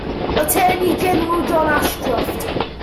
Attorney General John Ashcroft.